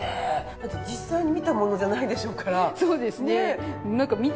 だって実際に見たものじゃないでしょうから。